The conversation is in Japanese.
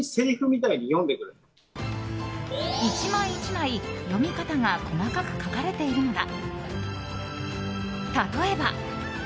１枚１枚読み方が細かく書かれているのだ。